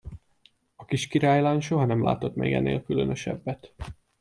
A kis királylány soha nem látott még ennél különösebbet.